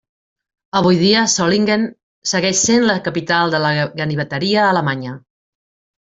Avui dia, Solingen segueix sent la capital de la ganiveteria alemanya.